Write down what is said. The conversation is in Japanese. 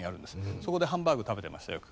そこでハンバーグ食べてましたよく。